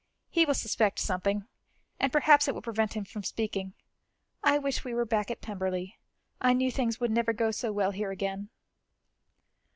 He will suspect something, and perhaps it will prevent him from speaking. I wish we were back at Pemberley; I knew things would never go so well here again."